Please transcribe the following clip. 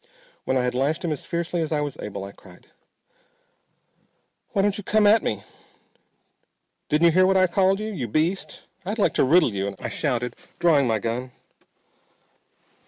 When I had lashed him as fiercely as I was able I cried: "Why don't you come at me? Didn't you hear what I called you? You beast! I'd like to riddle you!" I shouted, drawing my gun.